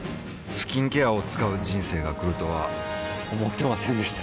スキンケアを使う人生が来るとは思ってませんでした